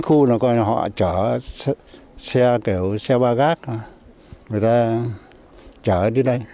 cứ sang sớm chín khu họ chở xe ba gác người ta chở đến đây